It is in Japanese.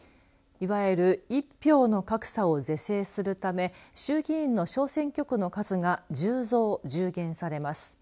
いわゆる一票の格差を是正するため衆議院の小選挙区の数が１０増１０減されます。